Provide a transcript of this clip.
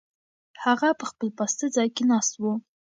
هغه په خپل پاسته ځای کې ناست و.